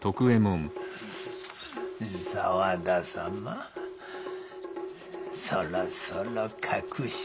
沢田様そろそろ隠し事は。